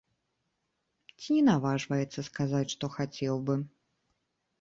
Ці не наважваецца сказаць, што хацеў бы.